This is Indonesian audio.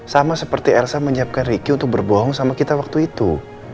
sama seperti elsa menyiapkan ricky untuk berbohong sama kita waktu itu